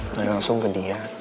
tanya langsung ke dia